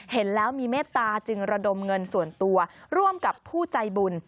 เห็นแล้วมีเมตตาจึงระดมเงินส่วนตัวร่วมกับผู้ใจบุญ